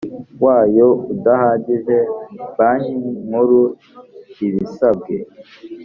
wayo udahagije banki nkuru ibisabwe